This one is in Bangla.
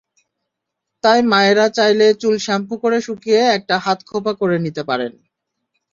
তাই মায়েরা চাইলে চুল শ্যাম্পু করে শুকিয়ে একটি হাতখোঁপা করে নিতে পারেন।